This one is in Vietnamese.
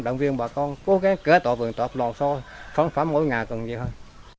động viên bà con cố gắng kế tổng số tổng số sản phẩm mỗi ngày còn nhiều hơn